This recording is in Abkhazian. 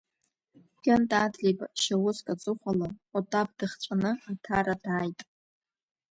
Кьынта Адлеиба шьауск аҵыхәала Отаԥ дыхҵәаны Аҭара дааит.